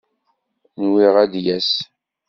Nwiɣ ad d-yas.